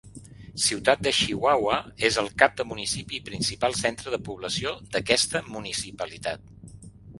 Ciutat de Chihuahua és el cap de municipi i principal centre de població d'aquesta municipalitat.